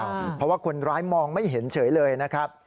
เพราะว่าคนร้ายมองไม่เห็นเฉยเลยนะครับ